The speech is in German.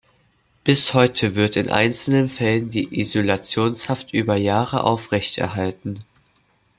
Bis heute wird in einzelnen Fällen die Isolationshaft über Jahre aufrechterhalten.